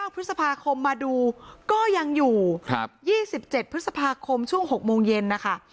พฤษภาคมมาดูก็ยังอยู่๒๗พฤษภาคมช่วง๖โมงเย็นนะคะ